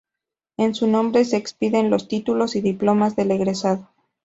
En su nombre se expiden los títulos y diplomas del egresado.